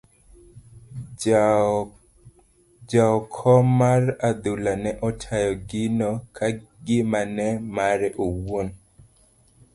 Jaokom mar adhula ne tayo gino ka gima en mare owuon.